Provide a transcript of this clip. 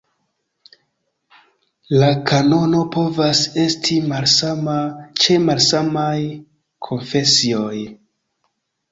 La kanono povas esti malsama ĉe malsamaj konfesioj.